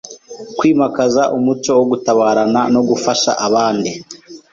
Kwimakaza umuco wo gutabarana no gufasha abandi;